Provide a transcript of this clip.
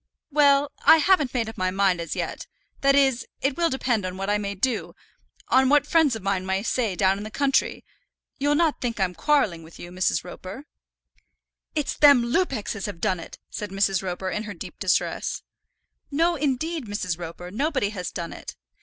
"Well; I haven't just made up my mind as yet. That is, it will depend on what I may do, on what friends of mine may say down in the country. You'll not think I'm quarrelling with you, Mrs. Roper." "It's them Lupexes as have done it," said Mrs. Roper, in her deep distress. "No, indeed, Mrs. Roper, nobody has done it."